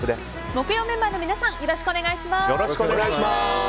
木曜メンバーの皆さんよろしくお願いします。